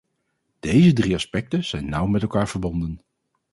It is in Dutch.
Deze drie aspecten zijn nauw met elkaar verbonden.